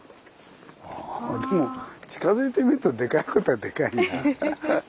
でも近づいてみるとでかいことはでかいな。